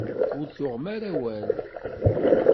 Ur tuɣem ara awal.